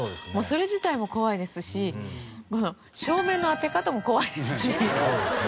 それ自体も怖いですし照明の当て方も怖いですし。